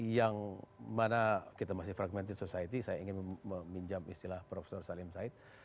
yang mana kita masih fragmented society saya ingin meminjam istilah prof salim said